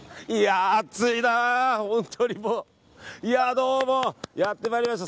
どうも、やって参りました。